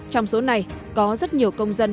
trong số này có rất nhiều công dân